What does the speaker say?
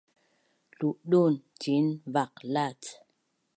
Ludun ciin vaqlac